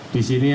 di sini ada